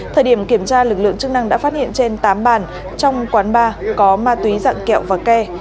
thời điểm kiểm tra lực lượng chức năng đã phát hiện trên tám bàn trong quán bar có ma túy dạng kẹo và ke